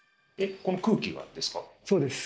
この空気がですか？